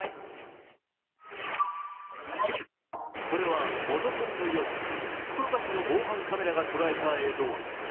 これはおとといの夜、福岡市の防犯カメラが捉えた映像。